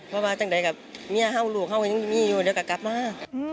เพราะว่าจังใดกับเมียเข้าลูกเข้าอยู่ด้วยกับกับมา